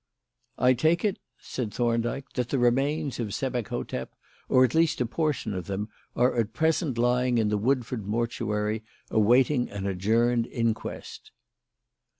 "I take it," said Thorndyke, "that the remains of Sebek hotep, or at least a portion of them, are at present lying in the Woodford mortuary awaiting an adjourned inquest."